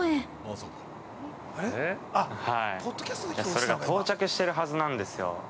それが到着してるはずなんですよ。